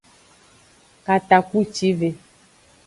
Katakpucive.